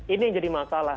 ini yang jadi masalah